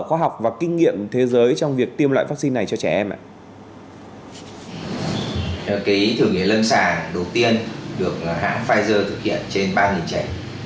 khoa học và kinh nghiệm thế giới trong việc tiêm loại vaccine này cho trẻ em ạ